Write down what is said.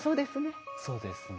そうですね。